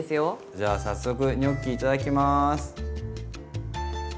じゃあ早速ニョッキいただきます。